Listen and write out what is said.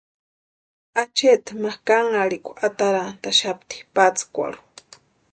Acheeti ma kanharhikwa atarantaxapti pʼaskwarhu.